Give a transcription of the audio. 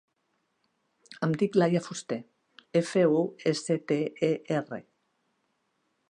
Em dic Laia Fuster: efa, u, essa, te, e, erra.